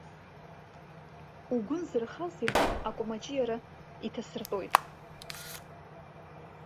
Угәы нзырхаз ихы акәамаҷиара иҭасыртәоит.